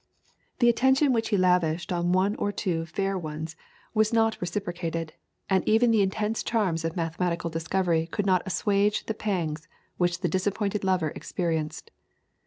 The attention which he lavished on one or two fair ones was not reciprocated, and even the intense charms of mathematical discovery could not assuage the pangs which the disappointed lover experienced.